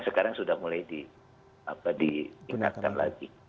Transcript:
nah sekarang sudah mulai diingatkan lagi